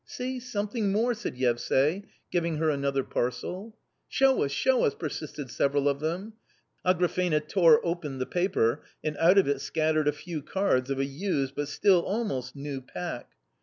" See, something more !" said Yevsay, giving her another ^ parcel. k) 1 " Show us, show us !" persisted several of them. Agrafena >> ,v I tore open the paper, and out of it scattered a few cards of a (V I used but still almost new pack.